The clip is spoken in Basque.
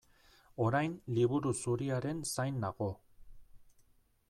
Orain Liburu Zuriaren zain nago.